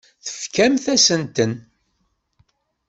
Tefkamt-asent-ten.